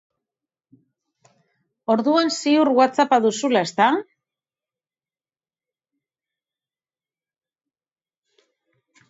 Orduan ziur Whatsapp-a duzula, ezta?